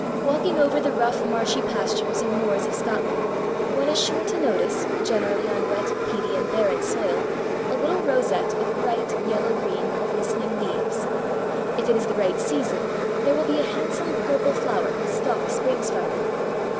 Walking over the rough marshy pastures or moors of Scotland one is sure to notice, generally on wet peaty and barren soil, a little rosette of bright, yellow green, glistening leaves. If it is the right season there will be a handsome purple flower whose stalk springs from them.